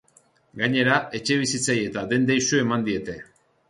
Gainera, etxebizitzei eta dendei su eman diete.